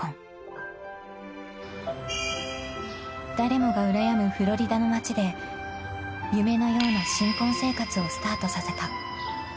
［誰もがうらやむフロリダの街で夢のような新婚生活をスタートさせた］